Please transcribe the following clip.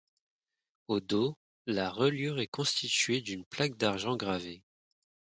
Au dos, la reliure est constituée d'une plaque d'argent gravée.